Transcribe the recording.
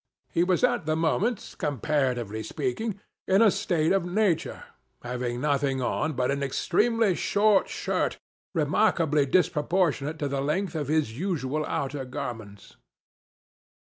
He was at the moment, com paratively speaking, in a state of nature ; having notliing on, but an extremely short shirt, remarkably disproportionate to the length of his usual outer garments.